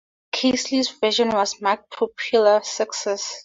Kearsley's version was a marked popular success.